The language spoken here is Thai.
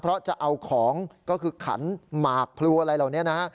เพราะจะเอาของก็คือขันหมากพลูอะไรเหล่านี้นะฮะ